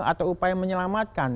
atau upaya menyelamatkan